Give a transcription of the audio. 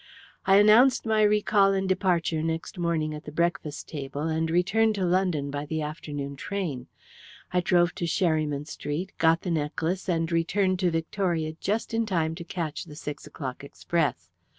"I announced my recall and departure next morning at the breakfast table, and returned to London by the afternoon train. I drove to Sherryman Street, got the necklace, and returned to Victoria just in time to catch the six o'clock express.